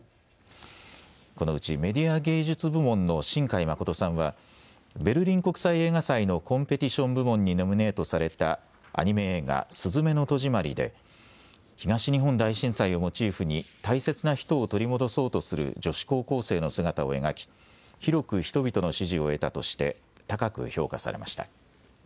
このうちメディア芸術部門の新海誠さんはベルリン国際映画祭のコンペティション部門にノミネートされたアニメ映画、すずめの戸締まりで東日本大震災をモチーフに大切な人を取り戻そうとする女子高校生の姿を描き広く人々の支持を得たとして高く評価されました。